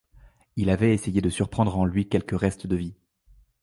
Il avait essayé de surprendre en lui quelque reste de vie!